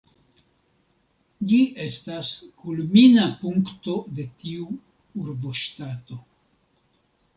Ĝi estas kulmina punkto de tiu urboŝtato.